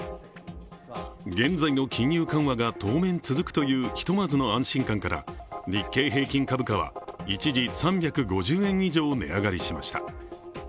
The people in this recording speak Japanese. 現在の金融緩和が当面続くというひとまずの安心感から日経平均株価は一時３５０円以上値上がりしました。